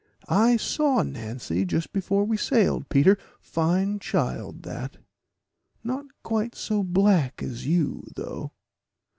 "I saw Nancy just before we sailed, Peter fine child that; not quite so black as you, though."